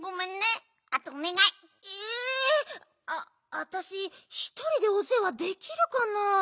わたしひとりでおせわできるかな？